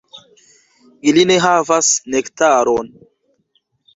Ili ne havas nektaron.